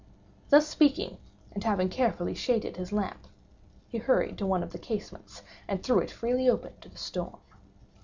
Thus speaking, and having carefully shaded his lamp, he hurried to one of the casements, and threw it freely open to the storm.